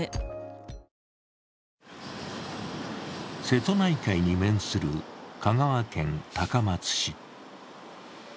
瀬戸内海に面する香川県高松市。